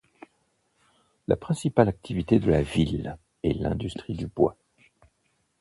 La principale activité de la ville est l'industrie du bois.